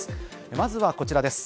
まずはこちらです。